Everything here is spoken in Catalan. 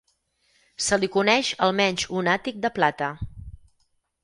Se li coneix almenys un àtic de plata.